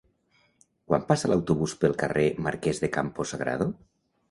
Quan passa l'autobús pel carrer Marquès de Campo Sagrado?